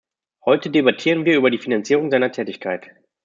Heute debattieren wir über die Finanzierung seiner Tätigkeit.